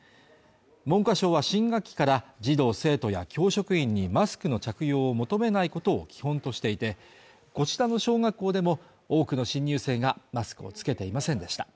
文科省は新学期から、児童・生徒や教職員にマスクの着用を求めないことを基本としていて、こちらの小学校でも、多くの新入生がマスクを着けていませんでした。